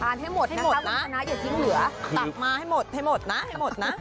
ให้หมดให้หมดนะอย่าทิ้งเหลือตักมาให้หมดให้หมดนะให้หมดนะ